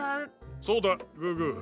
そうだグーグー。